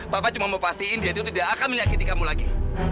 bapak cuma mau pastiin dia itu tidak akan menyakiti kamu lagi